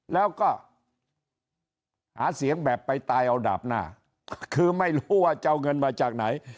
แล้วก็หาเสียงแบบไปตายเอาดาบหน้าคือไม่รู้ว่าจะเอาเงินมาจากไหน